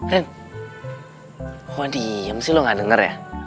rin kok diam sih lo gak denger ya